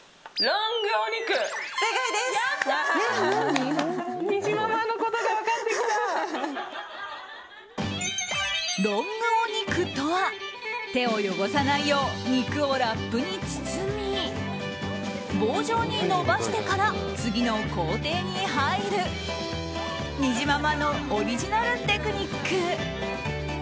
ロングお肉とは手を汚さないよう肉をラップに包み棒状に伸ばしてから次の工程に入る、にじままのオリジナルのテクニック。